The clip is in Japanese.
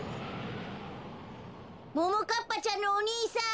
・ももかっぱちゃんのお兄さん！